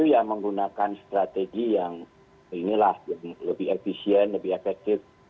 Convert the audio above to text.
dia menggunakan strategi yang inilah lebih efisien lebih efektif